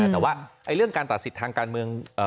แต่ว่าเรื่องการตัดสิทธิ์ทางการเมือง